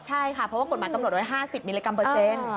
ใช่ค่ะเพราะว่ากฎหมายกำหนดไว้๕๐มิลลิกรัมเปอร์เซ็นต์